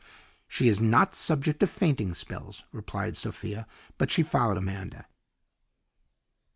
"She is not subject to fainting spells," replied Sophia, but she followed Amanda.